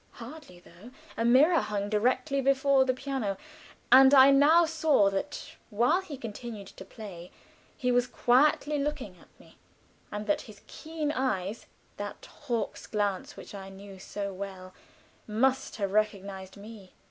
Hardly, though a mirror hung directly before the piano, and I now saw that while he continued to play, he was quietly looking at me, and that his keen eyes that hawk's glance which I knew so well must have recognized me.